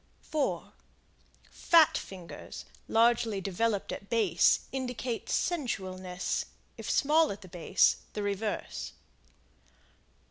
4 Fat fingers, largely developed at base, indicate sensualness; if small at base, the reverse.